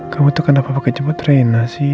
kamu tuh kenapa pake jemput reina sih